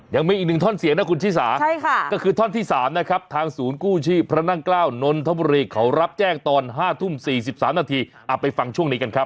ยังมีอีกหนึ่งท่อนเสียงนะคุณชิสาก็คือท่อนที่๓นะครับทางศูนย์กู้ชีพพระนั่งเกล้านนทบุรีเขารับแจ้งตอน๕ทุ่ม๔๓นาทีเอาไปฟังช่วงนี้กันครับ